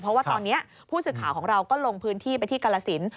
เพราะว่าตอนนี้ผู้สื่อข่าวของเราก็ลงพื้นที่ไปที่กรสิน